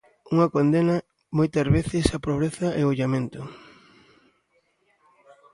Unha condena, moitas veces, á pobreza e o illamento.